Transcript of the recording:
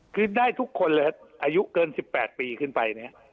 คือได้ทุกคนเลยอายุเกิน๑๘ปีขึ้นไปเนี่ย